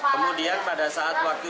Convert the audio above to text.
kemudian pada saat waktu